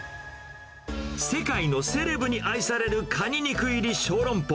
世界のセレブに愛されるカニ肉入り小籠包。